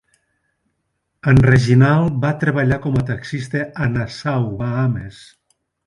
En Reginald va treballar com a taxista a Nassau, Bahames.